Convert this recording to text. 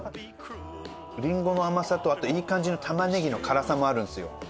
りんごの甘さとあといい感じの玉ねぎの辛さもあるんですよ。